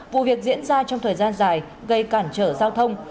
vụ việc diễn ra trong thời gian dài gây cản trở giao thông